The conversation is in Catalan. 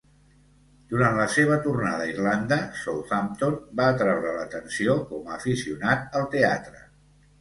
Durant la seva tornada a Irlanda, Southampton va atraure l'atenció com a aficionat al teatre.